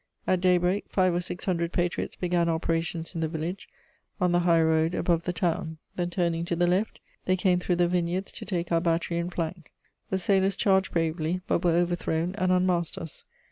At daybreak, five or six hundred patriots began operations in the village, on the high road above the town; then, turning to the left, they came through the vineyards to take our battery in flank. The sailors charged bravely, but were overthrown and unmasked us.